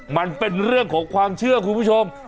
มันเป็นเรื่องของความเชื่อคุณผู้ชม